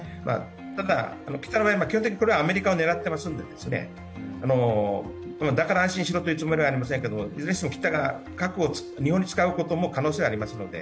ただ、北の場合、基本的にアメリカを狙っていますので、だから安心しろというつもりはありませんけれどもいずれにしても北が核を日本に使うことの可能性もありますので。